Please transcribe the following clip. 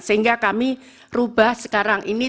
sehingga kami rubah sekarang ini